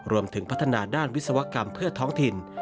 รวมถึงพัฒนาด้านวิศวกรรมเพื่อท้องถิ่น